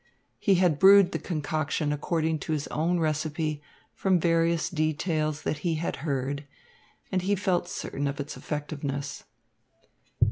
He had brewed the concoction according to his own recipe from various details that he had heard, and he felt certain of its effectiveness.